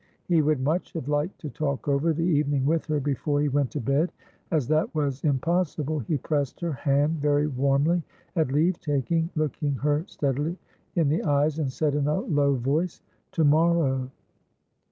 He would much have liked to talk over the evening with her before he went to bed; as that was impossible, he pressed her hand very warmly at leave taking, looking her steadily in the eyes, and said in a low voice. "To morrow."